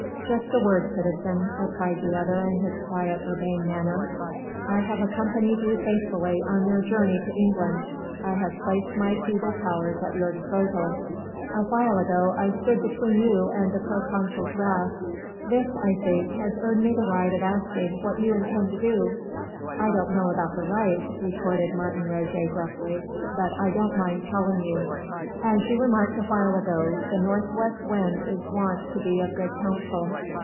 "Just a word, citizen," replied the other in his quiet urbane manner. "I have accompanied you faithfully on your journey to England: I have placed my feeble powers at your disposal: awhile ago I stood between you and the proconsul's wrath. This, I think, has earned me the right of asking what you intend to do." "I don't know about the right," retorted Martin Roget gruffly, "but I don't mind telling you. As you remarked awhile ago the North West wind is wont to be of good counsel.